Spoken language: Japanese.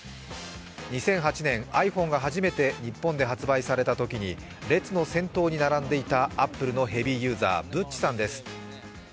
２００８年、ｉＰｈｏｎｅが初めて日本で発売されたときに列の先頭に並んでいたアップルのヘビーユーザー、ＢＵＴＣＨさんです。